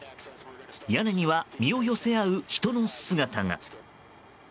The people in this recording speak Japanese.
屋根には身を寄せ合う人の姿が。